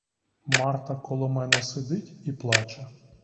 Марта коло мене сидить і плаче.